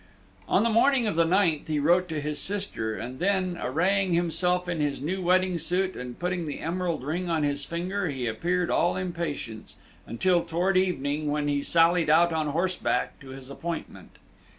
On the morning of the 9th he wrote to his sister, and then arraying himself in his new wedding suit, and putting the emerald ring on his finger, he appeared all impatience, until toward evening, when he sallied out on horseback to his appointment.